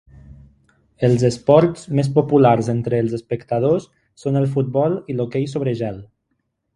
Els esports més populars entre els espectadors són el futbol i l'hoquei sobre gel.